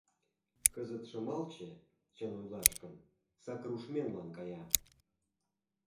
Кызыт Шымалче, чын ойлаш гын, сакыр ушменлан кая.